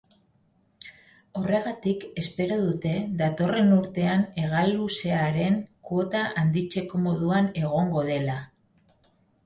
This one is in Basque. Horregatik espero dute, datorren urtean hegaluzearen kuota handitzeko moduan egongo dela.